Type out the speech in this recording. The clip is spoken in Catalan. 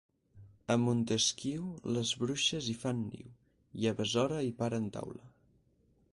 A Montesquiu, les bruixes hi fan niu, i a Besora hi paren taula.